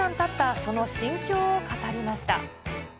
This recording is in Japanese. その心境を語りました。